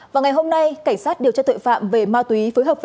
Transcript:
vào ngày hôm nay cảnh sát điều tra tội phạm về bệnh nhân